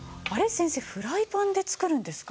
先生フライパンで作るんですか？